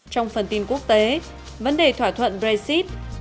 trong phần tin quốc tế vấn đề thỏa thuận brexit anh và eu cần đàm phán trong ôn hòa